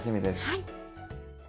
はい。